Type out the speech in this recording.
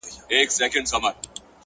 خو چي تر کومه به تور سترگي مینه واله یې ـ